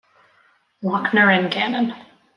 Lochner and Gannon.